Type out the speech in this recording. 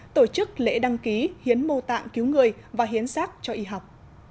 tổ chức lễ đăng ký hiến mô tạng cứu người và hiến sát cho y học